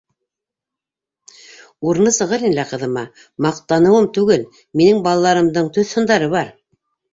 Урыны сығыр ине әле ҡыҙыма, маҡтаныуым түгел, минең балаларымдың төҫ-һындары бар.